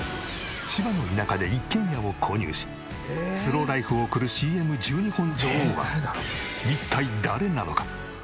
千葉の田舎で一軒家を購入しスローライフを送るＣＭ１２本女王は一体誰なのか？